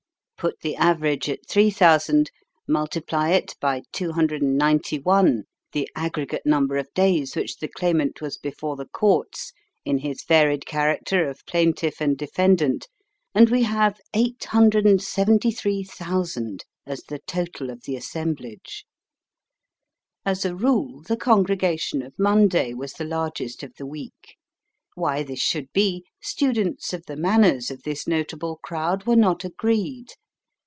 Put the average at 3000, multiply it by 291, the aggregate number of days which the Claimant was before the Courts in his varied character of plaintiff and defendant, and we have 873,000 as the total of the assemblage. As a rule, the congregation of Monday was the largest of the week. Why this should be, students of the manners of this notable crowd were not agreed.